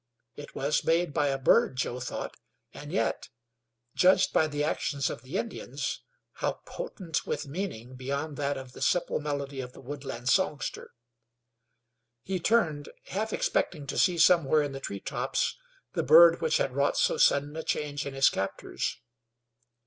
It was made by a bird, Joe thought, and yet, judged by the actions of the Indians, how potent with meaning beyond that of the simple melody of the woodland songster! He turned, half expecting to see somewhere in the tree tops the bird which had wrought so sudden a change in his captors.